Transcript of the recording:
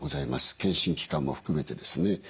健診機関も含めてですね。